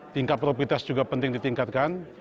tingkat profitas juga penting ditingkatkan